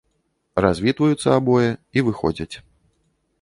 Развітваюцца абое і выходзяць.